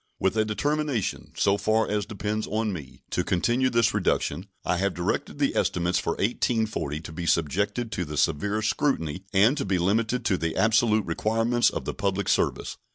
With a determination, so far as depends on me, to continue this reduction, I have directed the estimates for 1840 to be subjected to the severest scrutiny and to be limited to the absolute requirements of the public service.